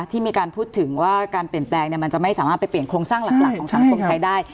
ที่มีการพูดถึงว่าการเปลี่ยนแปลงมันจะไม่สามารถไปเปลี่ยนโครงสร้างหลักของสังคมไทยได้